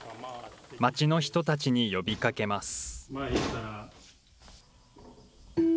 町の人たちに呼びかけます。